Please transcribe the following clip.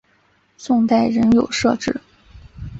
宋代仍有设置。